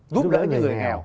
giúp đỡ những người nghèo